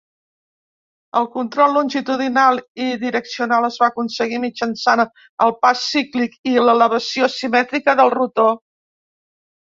El control longitudinal i direccional es va aconseguir mitjançant el pas cíclic i l'elevació asimètrica del rotor.